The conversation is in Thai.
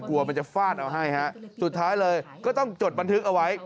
กลัวมันจะฟาดเอาให้ฮะสุดท้ายเลยก็ต้องจดบันทึกเอาไว้